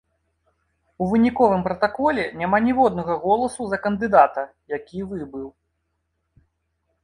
У выніковым пратаколе няма ніводнага голасу за кандыдата, які выбыў.